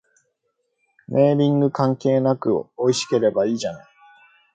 ネーミング関係なくおいしければいいじゃない